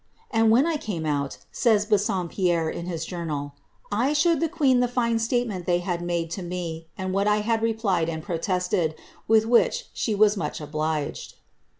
^ And when I came out," 8a3ra BHaompiem^ in hia journal, ^ I abowed the queen the fine statement they had made to me, and what 1 had replied and protested, with which At waa moch obliged."'